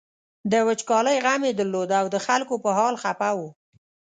د وچکالۍ غم یې درلود او د خلکو په حال خپه و.